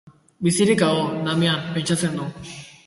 Bizirik hago, Damian, pentsatzen du.